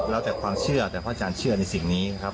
แล้วแต่ความเชื่อแต่พระอาจารย์เชื่อในสิ่งนี้นะครับ